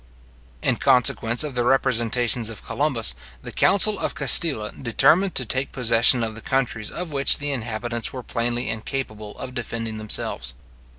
In consequence of the representations of Columbus, the council of Castile determined to take possession of the countries of which the inhabitants were plainly incapable of defending themselves.